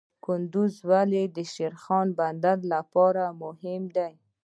کندز ولې د شیرخان بندر لپاره مهم دی؟